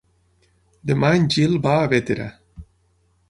Demà en Gil va a Bétera.